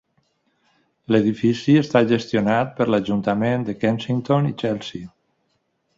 L"edifici està gestionat per l"Ajuntament de Kensington i Chelsea.